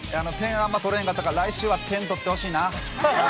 あんま取れんかったから、来週は点取ってほしいな。